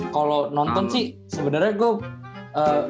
kalo nonton sih sebenernya gua